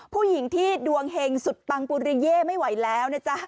ผู้หญิงที่ดวงเห็งสุดปังปุริเย่ไม่ไหวแล้วนะจ๊ะ